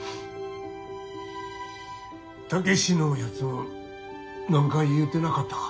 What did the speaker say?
武志のやつ何か言うてなかったか？